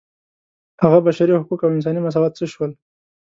هغه بشري حقوق او انساني مساوات څه شول.